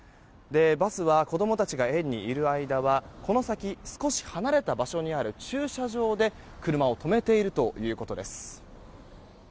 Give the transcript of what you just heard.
バスは、子供たちが園にいる間はこの先、少し離れた場所にある駐車場で車を止めているということです。